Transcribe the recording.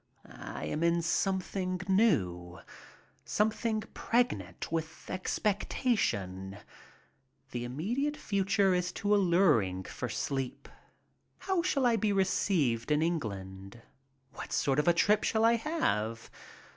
I am in something new, something pregnant with expectation. The immediate future is too alluring for sleep. DAYS ON SHIPBOARD 25 How shall I be received in England? What sort of a trip shall I have